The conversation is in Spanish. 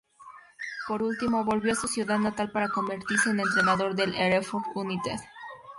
Por último, volvió a su ciudad natal para convertirse en entrenador del Hereford United.